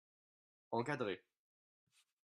encadré.